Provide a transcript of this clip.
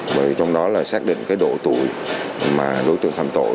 bởi trong đó là xác định cái độ tuổi mà đối tượng phạm tội